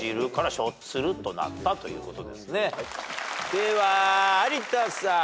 では有田さん。